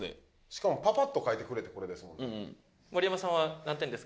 しかもパパッと描いてくれてこれですもんね